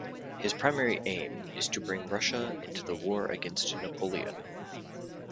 His primary aim is to bring Russia into the war against Napoleon.